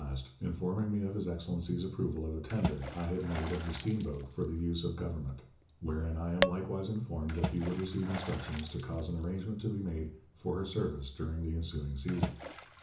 last, informing me of His Excellency's approval of a Tender I had made of the Steam Boat for the use of Government; wherein I am likewise informed that you would receive instructions to cause an arrangement to be made for her Service during the ensuing Season.